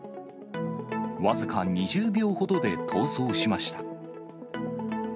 僅か２０秒ほどで逃走しました。